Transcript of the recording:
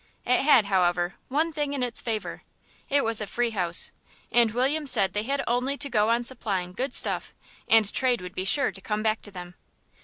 It had, however, one thing in its favour it was a free house, and William said they had only to go on supplying good stuff, and trade would be sure to come back to them.